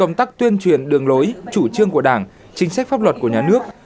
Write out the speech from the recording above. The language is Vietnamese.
công tác tuyên truyền đường lối chủ trương của đảng chính sách pháp luật của nhà nước